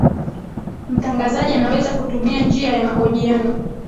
mtangazaji anaweza kutumia njia ya mahojiano